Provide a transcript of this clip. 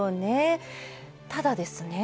ただですね